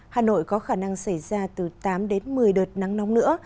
hà nội có khả năng xảy ra từ tám đến một mươi đợt nắng nóng nữa